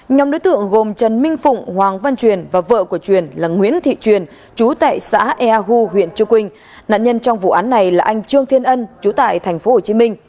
nhóm đối tượng gồm trần minh phụng hoàng văn truyền và vợ của truyền là nguyễn thị truyền trú tại xã eahu huyện triều quynh nạn nhân trong vụ án này là anh trương thiên ân trú tại tp hcm